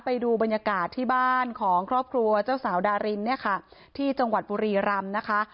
ไปดูบรรยากาศที่บ้านของครอบครัวเจ้าสาวดารินเนี่ยค่ะที่จังหวัดบุรีรำนะคะ